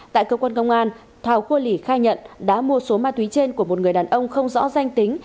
tại cơ quan công an thảo cua lỉ khai nhận đã mua số ma túy trên của một người đàn ông không rõ danh tính